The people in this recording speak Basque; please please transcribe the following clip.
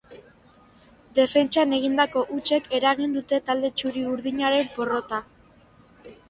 Defentsan egindako hutsek eragin dute talde txuri-urdinaren porrota.